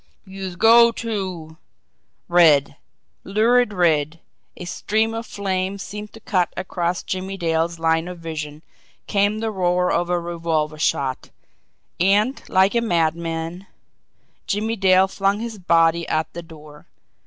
"Youse go to " Red, lurid red, a stream of flame seemed to cut across Jimmie Dale's line of vision, came the roar of a revolver shot and like a madman Jimmie Dale flung his body at the door.